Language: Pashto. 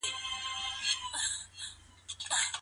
کله اقتصاد وده کوي او کله ځوړ سره مخ کیږي.